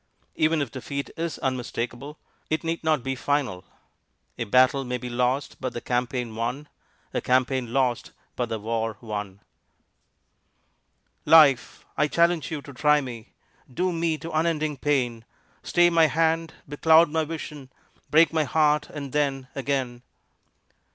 Even if defeat is unmistakable, it need not be final. A battle may be lost, but the campaign won; a campaign lost, but the war won. Life, I challenge you to try me, Doom me to unending pain; Stay my hand, becloud my vision, Break my heart and then again.